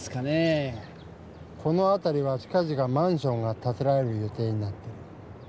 このあたりは近ぢかマンションがたてられる予定になっている。